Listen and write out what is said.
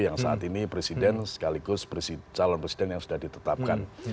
yang saat ini presiden sekaligus berisi calon presiden yang sudah ditetapkan